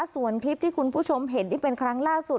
ส่วนคลิปที่คุณผู้ชมเห็นนี่เป็นครั้งล่าสุด